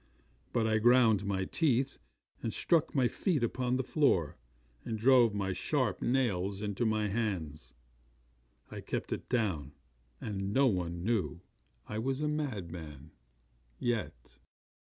But I ground my teeth, and struck my feet upon the floor, and drove my sharp nails into my hands. I kept it down; and no one knew I was a madman yet.